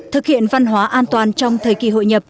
thực hiện văn hóa an toàn trong thời kỳ hội nhập